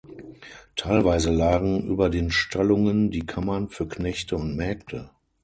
Teilweise lagen über den Stallungen die Kammern für Knechte und Mägde.